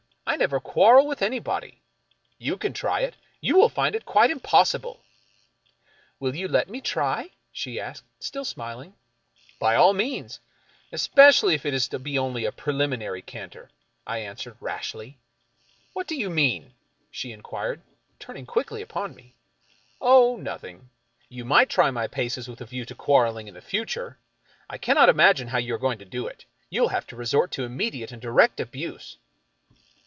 I never quarrel with any body. You can try it. You will find it quite impossible." " Will you let me try ?" she asked, still smiling. " By all means — especially if it is to be only a preliminary canter," I answered, rashly. " What do you mean ?" she inquired, turning quickly upon me. " Oh — nothing. You might try my paces with a view to quarreling in the future. I cannot imagine how you are going to do it. You will have to resort to immediate and direct abuse."